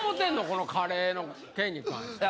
このカレーの件に関しては？